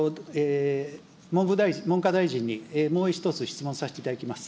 文科大臣にもう１つ質問させていただきます。